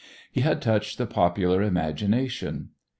He had touched the popular imagination.